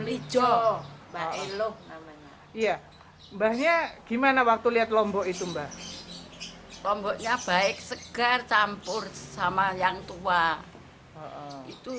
iya banyak gimana waktu lihat lombok itu mbak lomboknya baik segar campur sama yang tua itu